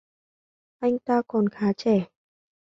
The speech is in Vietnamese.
Anh ta còn khá trẻ